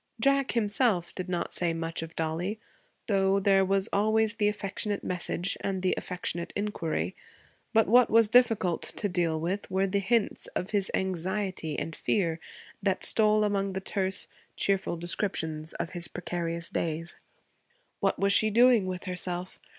Jack, himself, did not say much of Dollie, though there was always the affectionate message and the affectionate inquiry. But what was difficult to deal with were the hints of his anxiety and fear that stole among the terse, cheerful descriptions of his precarious days. What was she doing with herself?